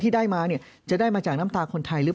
เพราะอาชญากรเขาต้องปล่อยเงิน